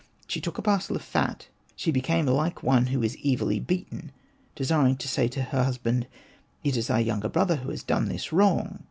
She took a parcel of fat, she became like one who is evilly beaten, desiring to say to her husband, " It is thy younger brother who has done this wrong.''